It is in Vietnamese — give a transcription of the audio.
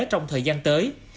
trong thời gian tới